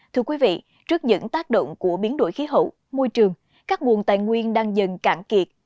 thưa quý vị trước những tác động của biến đổi khí hậu môi trường các nguồn tài nguyên đang dần cạn kiệt